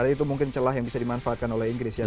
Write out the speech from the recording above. itu mungkin celah yang bisa dimanfaatkan oleh inggris ya